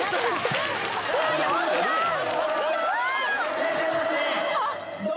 いらっしゃいますね洋